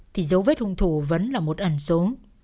thì dấu vết hung thủ vẫn là một ẩn số